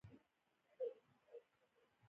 زه د خپل هېواد سره مینه لرم